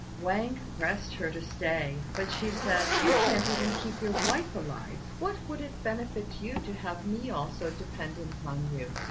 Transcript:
Wang pressed her to stay, but she said, "You can't even keep your wife alive; what would it benefit you to have me also dependent on you?"